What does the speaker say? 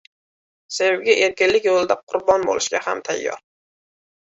Sevgi erkinlik yo‘lida qurbon bo‘lishga ham tayyor.